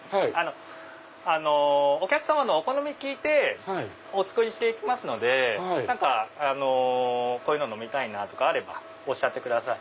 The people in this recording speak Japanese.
お客様のお好み聞いてお作りして行きますのでこういうの飲みたいなとかあればおっしゃってください。